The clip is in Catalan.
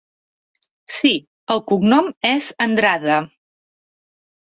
Sí, el cognom és Andrade.